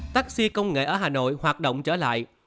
taxi công nghệ ở hà nội hoạt động trở lại